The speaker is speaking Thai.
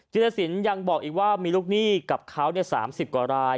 รสินยังบอกอีกว่ามีลูกหนี้กับเขา๓๐กว่าราย